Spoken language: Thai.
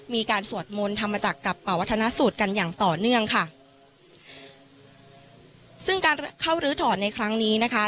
สวดมนต์ธรรมจักรกับป่าวัฒนสูตรกันอย่างต่อเนื่องค่ะซึ่งการเข้าลื้อถอนในครั้งนี้นะคะ